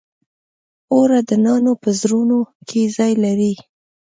اوړه د نانو په زړونو کې ځای لري